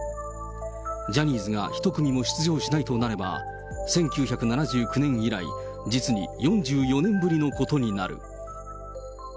ジャニーズが１組も出演しないとなれば、１９７９年以来、実に４４年ぶりのことになる。